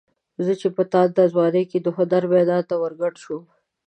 زه چې په تانده ځوانۍ کې د هنر میدان ته ورګډ شوم.